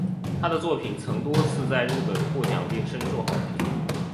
她的作品曾多次在日本获奖并深受好评。